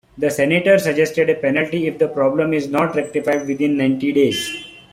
The Senator suggested a penalty if the problem is not rectified within ninety days.